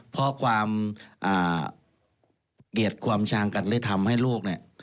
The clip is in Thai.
เพราะเกียรติความช่างกันเลยทำให้รูขนี่